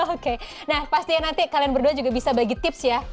oke nah pastinya nanti kalian berdua juga bisa bagi tips ya